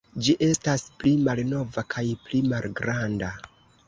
Ĝi estas pli malnova kaj pli malgranda.